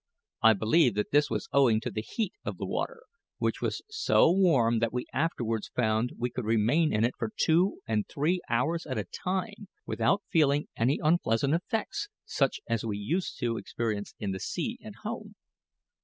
I believe that this was owing to the heat of the water, which was so warm that we afterwards found we could remain in it for two and three hours at a time without feeling any unpleasant effects such as we used to experience in the sea at home.